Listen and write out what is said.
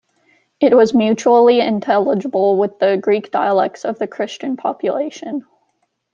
It was mutually intelligible with the Greek dialects of the Christian population.